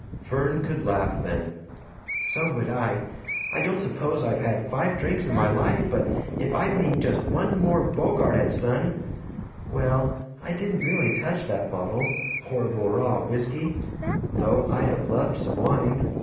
Fern could laugh then. "So would I! I don't suppose I've had five drinks in my life, but if I meet just one more Bogart and Son Well, I didn't really touch that bottle horrible raw whisky though I'd have loved some wine.